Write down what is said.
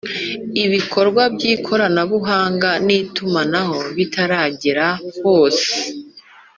ibikorwa by ikoranabuhanga n itumanaho bitaragera hose